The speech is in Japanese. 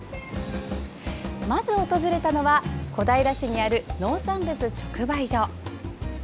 まず訪れたのは小平市にある農産物直売所。